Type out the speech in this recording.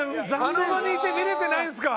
あの場にいて見れてないんですか？